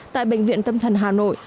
tại bệnh viện tâm thần hà nội